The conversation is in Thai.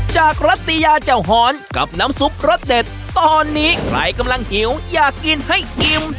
กรัตยาเจ้าหอนกับน้ำซุปรสเด็ดตอนนี้ใครกำลังหิวอยากกินให้อิ่ม